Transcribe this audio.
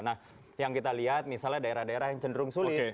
nah yang kita lihat misalnya daerah daerah yang cenderung sulit